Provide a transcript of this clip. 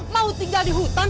mau tinggal di hutan